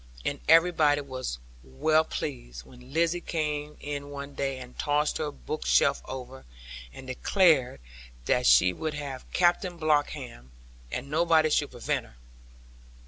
And everybody was well pleased, when Lizzy came in one day and tossed her bookshelf over, and declared that she would have Captain Bloxham, and nobody should prevent her.